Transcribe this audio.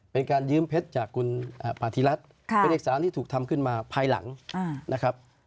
เป็นการยืมเพชรจากคุณพาธิรัฐเป็นเอกสารที่ถูกทำขึ้นมาภายหลังนะครับ